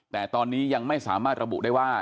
แต่ตอนนี้ยังไม่สามารถระบุได้ว่า